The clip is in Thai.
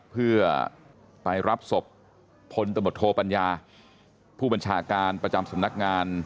เพื่อไปรับศพพลตำรวจโทปัญญาผู้บัญชาการประจำสำนักงาน